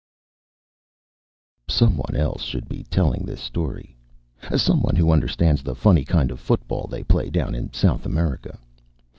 SOMEONE else should be telling this story — some one who understands the funny kind of football they play down in South America.